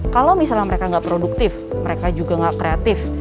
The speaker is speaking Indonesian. kalau misalnya mereka gak produktif mereka juga gak kreatif